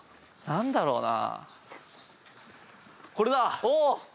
何だろうな？